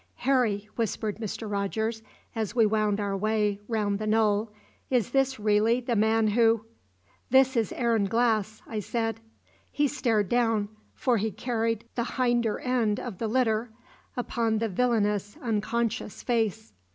"Harry," whispered Mr. Rogers, as we wound our way round the knoll, "is this really the man who " "This is Aaron Glass," I said. He stared down for he carried the hinder end of the litter upon the villainous, unconscious face.